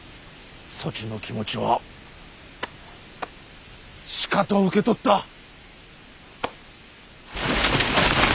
そちの気持ちはしかと受け取った。